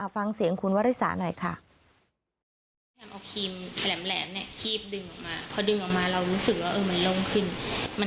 ฟังเสียงคุณวริสาหน่อยค่ะ